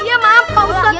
iya maaf pak ustadz